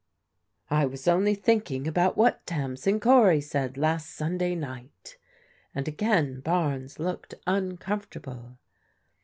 " I was only thinking about what Tamsin Cory said last Sunday night," and again Barnes looked uncom fortable.